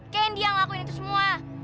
candy yang ngelakuin itu semua